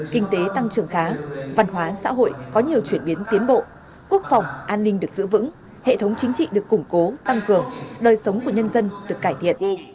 kinh tế tăng trưởng khá văn hóa xã hội có nhiều chuyển biến tiến bộ quốc phòng an ninh được giữ vững hệ thống chính trị được củng cố tăng cường đời sống của nhân dân được cải thiện